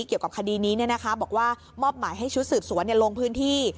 เกี่ยวกับคดีนี้บอกว่ามอบหมายให้ชุดสืบสวนลงพื้นที่